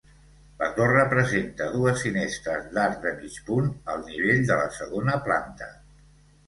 La torre presenta dues finestres d'arc de mig punt, al nivell de la segona planta.